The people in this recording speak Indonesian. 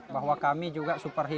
bahwa kami juga superhuman